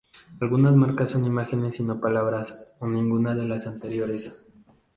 Algunas marcas son imágenes y no palabras, o ninguna de las anteriores.